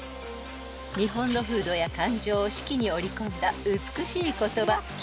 ［日本の風土や感情を四季に織り込んだ美しい言葉］